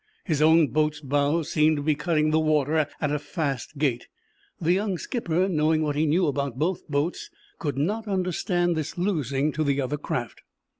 His own boat's bows seemed to be cutting the water at a fast gait. The young skipper, knowing what he knew about both boats, could not understand this losing to the other craft.